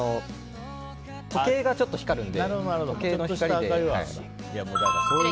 時計がちょっと光るので時計の光で。